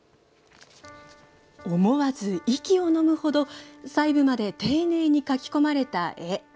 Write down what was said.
思わず息をのむほど細部まで丁寧に描き込まれた絵。